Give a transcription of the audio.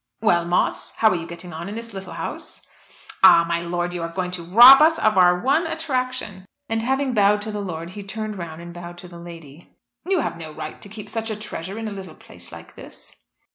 "Well, Moss, how are you getting on in this little house?" "Ah, my lord, you are going to rob us of our one attraction," and having bowed to the lord he turned round and bowed to the lady. "You have no right to keep such a treasure in a little place like this."